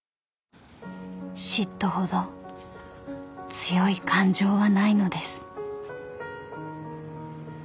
［嫉妬ほど強い感情はないのです］